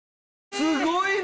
すごいな！